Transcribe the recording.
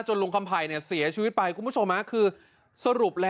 จนลุงคำแผ่มเสียชีวิต